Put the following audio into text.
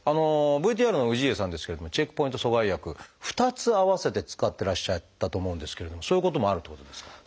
ＶＴＲの氏家さんですけれども免疫チェックポイント阻害薬２つ併せて使ってらっしゃったと思うんですけれどもそういうこともあるっていうことですか？